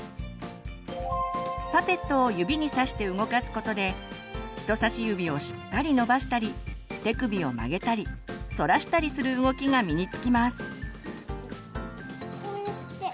パペットを指にさして動かすことで人さし指をしっかり伸ばしたり手首を曲げたりそらしたりする動きが身に付きます。